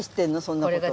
そんな事。